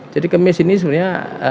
jadi kamis ini sebenarnya